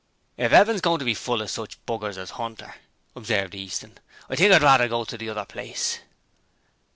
'If 'evven's goin' to be full of sich b r's as Hunter,' observed Eaton, 'I think I'd rather go to the other place.'